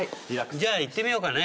じゃあいってみようかね。